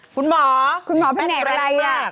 คุณหมอแพ็กเตรนมาก